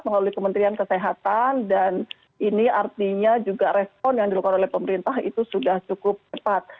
melalui kementerian kesehatan dan ini artinya juga respon yang dilakukan oleh pemerintah itu sudah cukup cepat